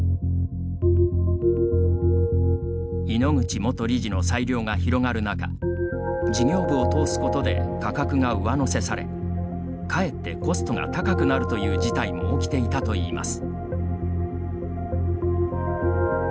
井ノ口元理事の裁量が広がる中事業部を通すことで価格が上乗せされかえってコストが高くなるという事態も起きていたといいます。